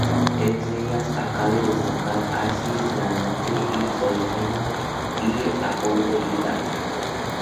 Entre ellas, cabe destacar "Acis, Galatea y Polifemo" y "Apolo y Dafne".